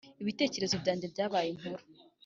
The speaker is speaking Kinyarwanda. ibitekerezo byange byabaye inkuru